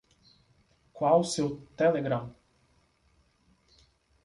Qual o seu Telegram?